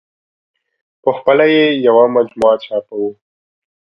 په خپله یې یوه مجموعه چاپ وه.